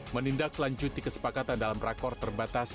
menindak lanjuti kesepakatan dalam rakor terbatas